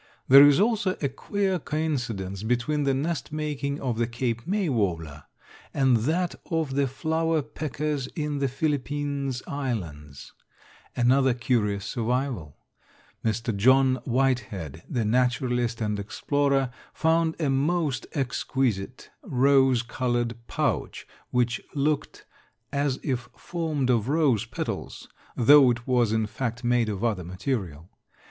There is also a queer coincidence between the nest making of the Cape May warbler and that of the flower peckers in the Philippines Islands another curious survival. Mr. John Whitehead, the naturalist and explorer, found a most exquisite rose colored pouch, which looked as if formed of rose petals, though it was in fact made of other material.